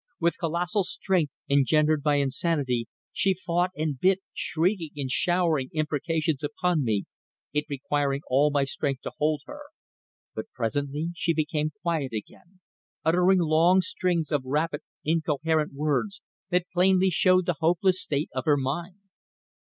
With colossal strength, engendered by insanity, she fought and bit, shrieking and showering imprecations upon me, it requiring all my strength to hold her; but presently she became quiet again, uttering long strings of rapid incoherent words that plainly showed the hopeless state of her mind.